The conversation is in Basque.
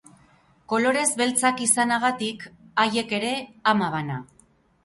Kolorez beltzak izanagatik, haiek ere ama bana.